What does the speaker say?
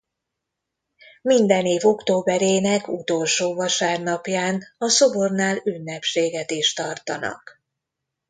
Minden év októberének utolsó vasárnapján a szobornál ünnepséget is tartanak.